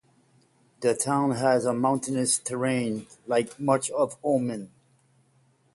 The town has a mountainous terrain, like much of Oman.